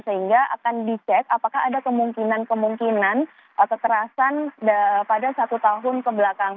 sehingga akan dicek apakah ada kemungkinan kemungkinan kekerasan pada satu tahun kebelakang